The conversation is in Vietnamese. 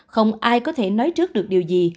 không ai có thể nói trước được điều gì